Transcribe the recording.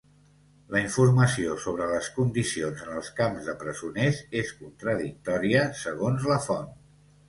La informació sobre les condicions en els camps de presoners és contradictòria segons la font.